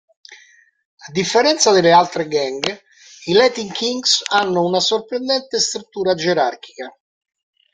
A differenza delle altre gang, i Latin Kings hanno una sorprendente struttura gerarchica.